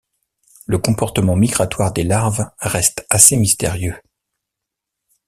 Le comportement migratoire des larves reste assez mystérieux.